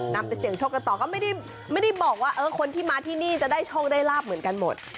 นำไปเสี่ยงโชคกันต่อก็ไม่ได้บอกว่าคนที่มาที่นี่จะได้โชคได้ลาบเหมือนกันหมด